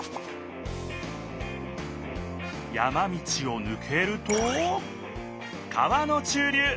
山道をぬけると川の中流。